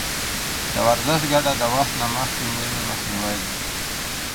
د ورزش ګټه د وخت نه مخکې مړینې مخنیوی دی.